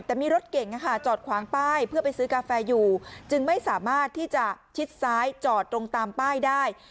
แต่มีรถเก่งจอดขวางป้ายเพื่อไปซื้อกาแฟอยู่จึงไม่สามารถที่จะชิดซ้ายจอดตรงตามป้ายได้